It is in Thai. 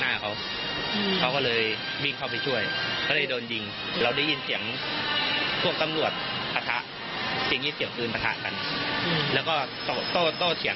ที่ตังค์บริวัติบอกว่าแน่จริงก็ออกมาสิอะไรทั้งตรงเนี่ย